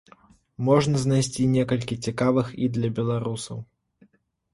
Можна знайсці некалькі цікавых і для беларусаў.